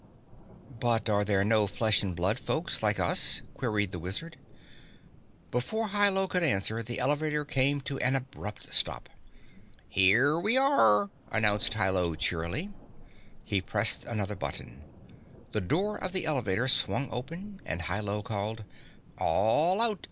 "But are there no flesh and blood folks, like us?" queried the Wizard. Before Hi Lo could answer, the elevator came to an abrupt stop. "Well, here we are!" announced Hi Lo cheerily. He pressed another button. The door of the elevator swung open and Hi Lo called, "All out!